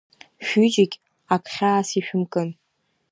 Шәҩыџьегь ак хьаас ишәымкын!